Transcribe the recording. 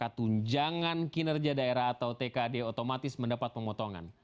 maka tunjangan kinerja daerah atau tkd otomatis mendapat pengotongan